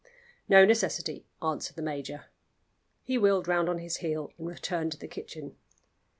"No necessity," answered the major. He wheeled round on his heel and returned to the kitchen.